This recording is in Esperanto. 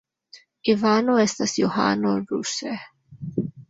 Ivano estas Johano ruse.